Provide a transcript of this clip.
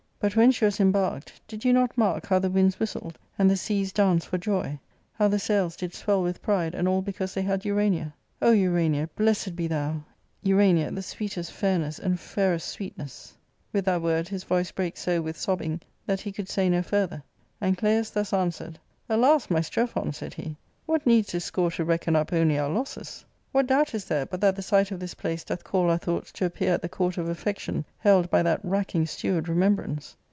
. But when she was embarked did you not mark how the winds whistled, and the seas danced for joy ; how the sails did swell with pride, and all because they had Urania ? O Urania, blessed be thou, Urania, the sweetest lairness and lailPfiSt SWWthess !" With that word his voice brake so with sobbing that he could say no further ; and Claius thus answered, " Alas, my^Streghon," said he, " what needs this score to reckon up only our Iqssgs ? What doubt is there but that the sight of this place doth call our thoughts to appear at the court of Affection, held by that racking steward Renoemhisuice